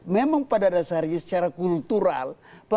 memang pada dasarnya secara kultural